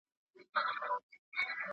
زه پوښتنه کوم.